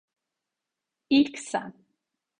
İlk sen.